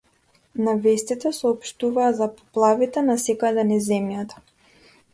На вестите соопштуваа за поплавите насекаде низ земјата.